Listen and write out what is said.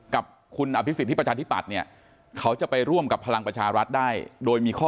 กับคุณอภิกษิตที่ประชาธิปัตย์เนี่ย